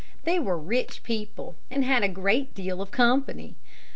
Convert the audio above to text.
They were rich people and had a great deal of company.